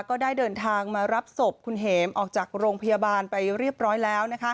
ก็ได้เดินทางมารับศพคุณเหมออกจากโรงพยาบาลไปเรียบร้อยแล้ว